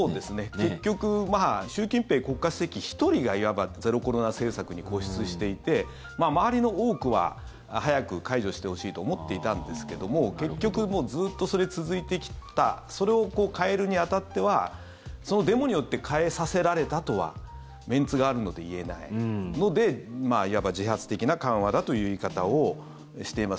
結局、習近平国家主席１人がいわばゼロコロナ政策に固執していて周りの多くは早く解除してほしいと思っていたんですけども結局ずっとそれが続いてきたそれを変えるに当たってはそのデモによって変えさせられたとはメンツがあるので言えないのでいわば自発的な緩和だという言い方をしています。